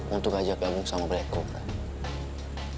untuk ajak gabung sama black cobra